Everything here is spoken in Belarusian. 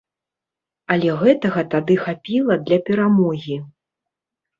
Але гэтага тады хапіла для перамогі!